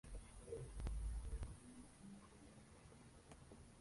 Las flores son anchas en forma de embudo y de color magenta púrpura rojizo.